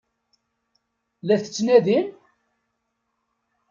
La t-ttnadin?